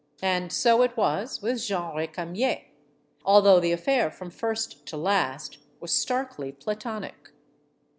And so it was with Jeanne Recamier although the affair from first to last was starkly platonic.